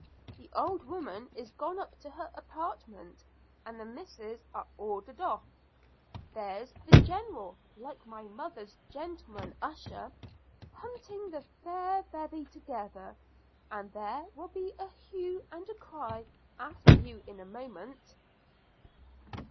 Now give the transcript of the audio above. The old woman is gone up to her apartment, and the misses are ordered off. There's the General, like my mother's gentleman usher, hunting the fair bevy together, and there will be a hue and cry after you in a moment.'